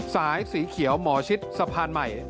สายสีเขียวหมอชิดสะพานใหม่